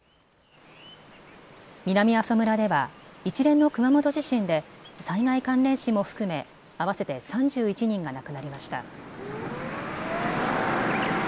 南阿蘇村では一連の熊本地震で災害関連死も含め合わせて３１人が亡くなりました。